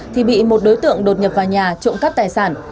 thì bị một đối tượng đột nhập vào nhà trộm cắp tài sản